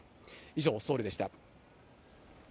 以上、ソウルでした。